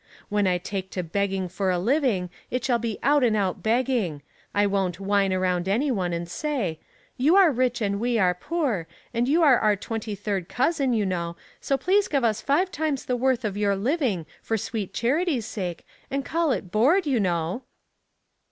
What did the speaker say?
When I take to begging for a living it shall be out and out begging; 1 won't whine around any one and say, * you are rich and we are poor, and you are our twenty third cousin, you know, so please give us five times the worth of your living, for sweet charity's sake, and call it hoard, you know.'